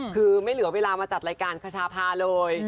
คือไม่เหลือเวลามาจัดรายการคชาพาเลย